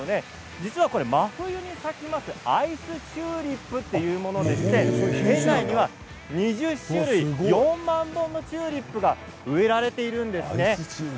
実は、これ真冬に咲きますアイスチューリップというものでして園内には２０種類４万本のチューリップが植えられているんです。